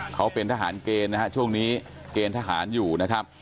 เขาเป็นทหารเกณฑ์นะฮะช่วงนี้เกณฑ์ทหารอยู่นะครับ